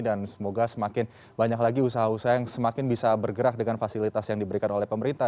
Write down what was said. dan semoga semakin banyak lagi usaha usaha yang semakin bisa bergerak dengan fasilitas yang diberikan oleh pemerintah